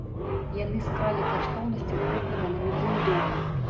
Яны скралі каштоўнасцяў прыкладна на мільён долараў.